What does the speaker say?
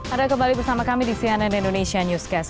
ada kembali bersama kami di cnn indonesia newscast